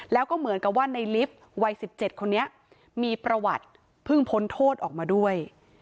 แล้วก็เหมือนกับว่าในลิฟต์วัย๑๗คนนี้มีประวัติเพิ่งพ้นโทษออกมาด้วย